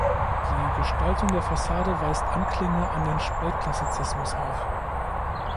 Die Gestaltung der Fassade weist Anklänge an den Spätklassizismus auf.